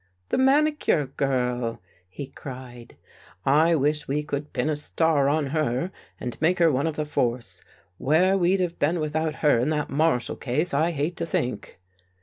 " The Manicure Girl," he cried. " I wish we could pin a star on her and make her one of the Force. Where we'd have been without her in that Marshall case, I hate to think."